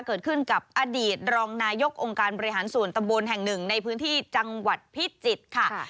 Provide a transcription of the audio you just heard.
เกิดขึ้นกับอดีตรองนายกองการบริหารสวนตม๑ในพื้นที่จังหวัดพิจิษฎ์ค่ะ